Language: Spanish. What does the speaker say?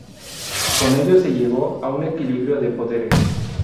Con ello se llegó a un equilibrio de poderes.